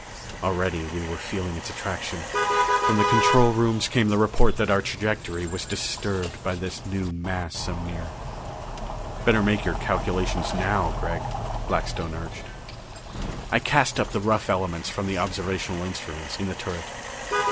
Already we were feeling its attraction; from the control rooms came the report that our trajectory was disturbed by this new mass so near. "Better make your calculations now, Gregg," Blackstone urged. I cast up the rough elements from the observational instruments in the turret.